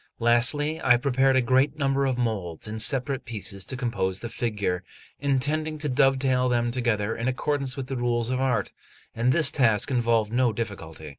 Lastly, I prepared a great number of moulds in separate pieces to compose the figure, intending to dovetail them together in accordance with the rules of art; and this task involved no difficulty.